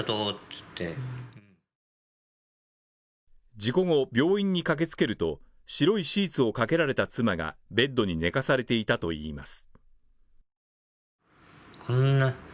事故後、病院に駆けつけると、白いシーツをかけられた妻が、ベッドに寝かされていたといいます。